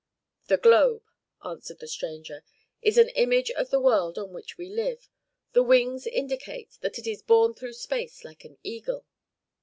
"The globe," answered the stranger, "is an image of the world on which we live; the wings indicate that it is borne through space like an eagle."